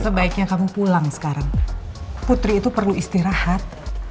sebaiknya kamu pulang sekarang putri itu perlu istirahat